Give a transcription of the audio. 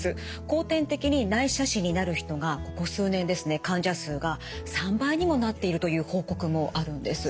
後天的に内斜視になる人がここ数年ですね患者数が３倍にもなっているという報告もあるんです。